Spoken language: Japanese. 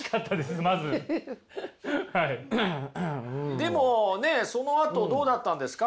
でもねそのあとどうだったんですか？